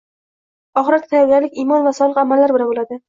Oxiratga tayyorgarlik imon va solih amallar bilan bo‘ladi.